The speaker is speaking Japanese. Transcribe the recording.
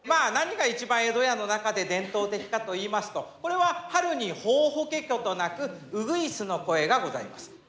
何が一番江戸家の中で伝統的かといいますとこれは春にホーホケキョと鳴くうぐいすの声がございます。